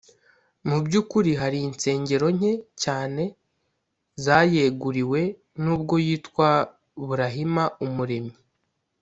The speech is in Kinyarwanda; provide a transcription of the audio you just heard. mu by’ukuri hari insengero nke cyane zayeguriwe nubwo yitwa burahima umuremyi.